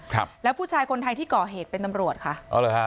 ครับแล้วผู้ชายคนไทยที่ก่อเหตุเป็นตำรวจค่ะอ๋อเหรอฮะ